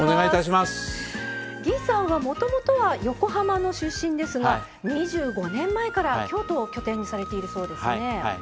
魏さんは、もともとは横浜の出身ですが、２５年前から京都を拠点にされているそうですね。